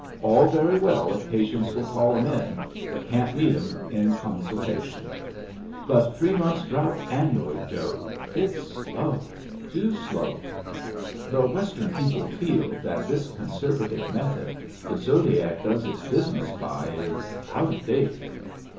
All very well if patients will call 'em in, but can't meet 'em in consultation. But three months' drought annually, Jode! It's slow too slow. The Western people feel that this conservative method the Zodiac does its business by is out of date."